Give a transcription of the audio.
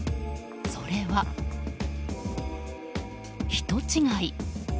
それは、人違い。